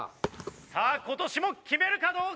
さあ今年も決めるかどうか！